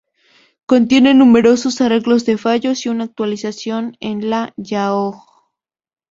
Contiene numerosos arreglos de fallos y una actualización a la Yahoo!